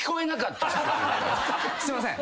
すいません。